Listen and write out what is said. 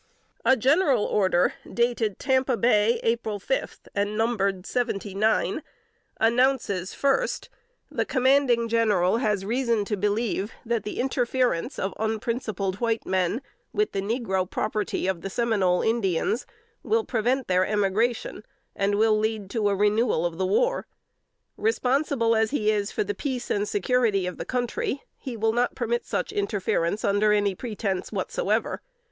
A general order, dated Tampa Bay, April fifth, and numbered seventy nine, announces first, "The commanding General has reason to believe that the interference of unprincipled white men with the negro property of the Seminole Indians will prevent their emigration, and lead to a renewal of the war. Responsible as he is for the peace and security of the country, he will not permit such interference under any pretense whatsoever.